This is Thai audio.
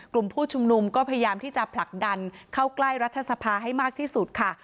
กลุ่มผู้ชุมนุมก็พยายามที่จะผลักดันเข้าใกล้รัฐสภาให้มากที่สุดค่ะ